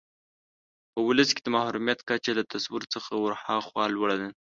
په ولس کې د محرومیت کچه له تصور څخه ورهاخوا لوړه ده.